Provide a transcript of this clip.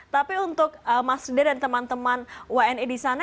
tapi untuk masda dan teman teman wni di sana